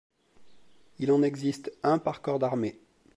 Il en existe un par corps d'armée.